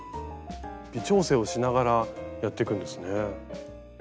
微調整をしながらやっていくんですね。